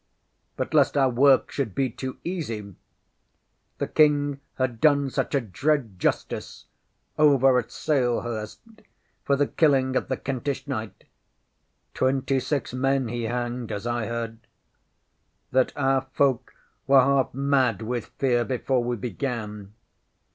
But, lest our work should be too easy, the King had done such a dread justice over at Salehurst, for the killing of the Kentish knight (twenty six men he hanged, as I heard), that our folk were half mad with fear before we began.